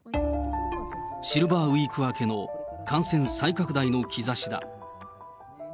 シルバーウィーク明けの感染再拡大の兆しだ。